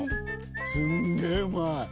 すんげえうまい！